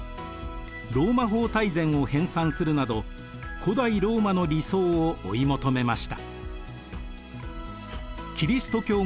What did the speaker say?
「ローマ法大全」を編さんするなど古代ローマの理想を追い求めました。